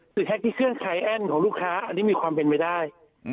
คือแท็กที่เครื่องไคแอ้นของลูกค้าอันนี้มีความเป็นไปได้